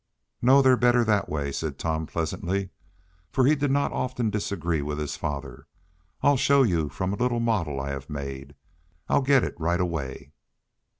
"No, they're better that way," said Tom pleasantly, for he did not often disagree with his father. "I'll show you from a little model I have made. I'll get it right away."